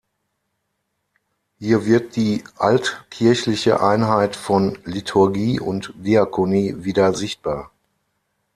Hier wird die altkirchliche Einheit von Liturgie und Diakonie wieder sichtbar.